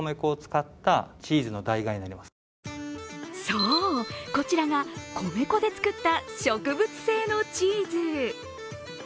そう、こちらが米粉で作った植物性のチーズ。